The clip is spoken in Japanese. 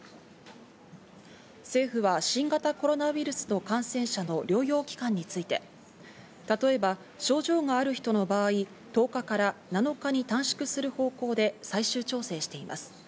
政府は新型コロナウイルスの感染者の療養期間について、例えば症状がある人の場合１０日から７日に短縮する方向で最終調整しています。